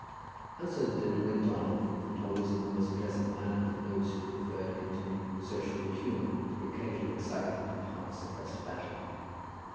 And so the dinner went on, not always in the most pleasant manner for those who preferred continued social good humour to the occasional excitement of a half suppressed battle.